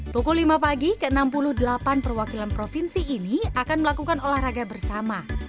pukul lima pagi ke enam puluh delapan perwakilan provinsi ini akan melakukan olahraga bersama